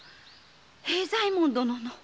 平左衛門殿の。